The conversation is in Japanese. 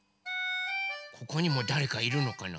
ここにもだれかいるのかな？